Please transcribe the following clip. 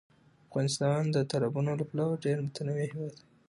افغانستان د تالابونو له پلوه یو ډېر متنوع هېواد دی.